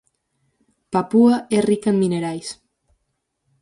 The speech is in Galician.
Papúa é rica en minerais.